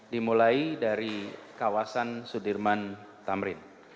dimulai dari kawasan sudirman tamrin